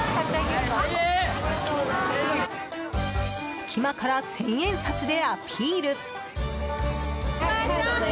隙間から千円札でアピール。